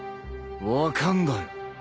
分かんだよ。